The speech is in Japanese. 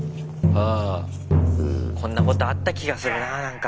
こんなことあった気がするなぁなんか。